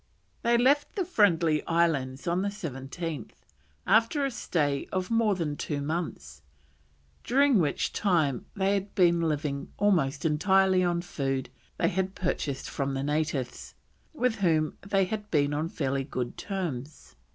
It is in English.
They left the Friendly Islands on the 17th, after a stay of more than two months, during which time they had been living almost entirely on food they had purchased from the natives, with whom they had been on fairly good terms.